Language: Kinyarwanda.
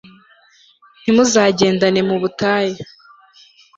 ntimuzagendane mu butayu